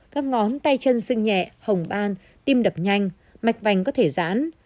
các ngón tay chân sưng nhẹ hồng ban tim đập nhanh mạch vành có thể rãn